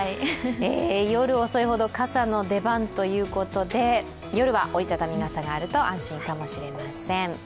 夜遅いほど傘の出番ということで、夜は折り畳み傘があると安心かもしれません。